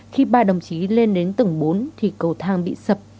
khi ba đồng chí lên đến tầng bốn thì cầu thang bị sập